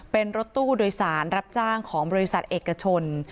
เป็นรถตู้โดยสารรับจ้างของบริษัทเอกชน